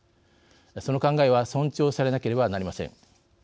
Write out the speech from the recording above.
その考えは尊重されなければなりません。